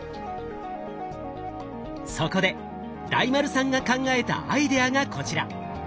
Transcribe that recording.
そこで大丸さんが考えたアイデアがこちら！